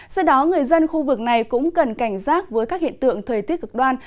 do đó người dân khu vực này cũng cần cảnh giác với các hiện tượng thời tiết cực đoan